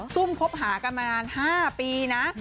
ซุ่มคบหากันมานาน๕ปีนะ